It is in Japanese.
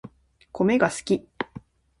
コメが好き